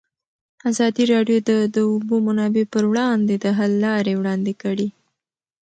ازادي راډیو د د اوبو منابع پر وړاندې د حل لارې وړاندې کړي.